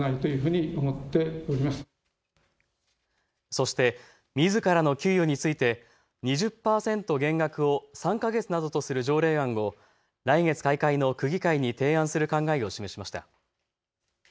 そしてみずからの給与について２０％減額を３か月などとする条例案を来月、開会の区議会に提案する考えを示しました。